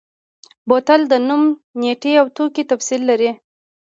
بوتل د نوم، نیټې او توکي تفصیل لري.